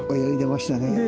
泳いでましたね。